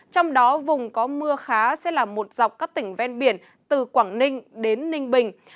trong đó vùng có mưa khá sẽ là một dọc các tỉnh ven biển từ quảng ninh đến ninh bình